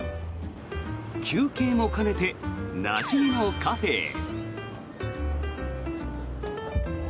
休憩も兼ねてなじみのカフェへ。